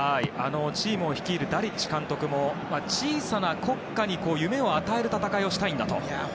チームを率いるダリッチ監督も小さな国家に夢を与える戦いをしたいんだと。